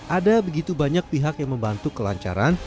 ada begitu banyak pihak yang membantu kelancaran